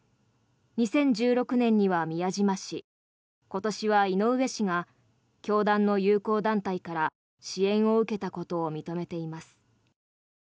２０１６年には宮島氏今年は井上氏が教団の友好団体から支援を受けたことを認めています。